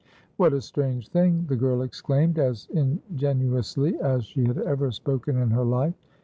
"What a strange thing!" the girl exclaimed, as ingenuously as she had ever spoken in her life.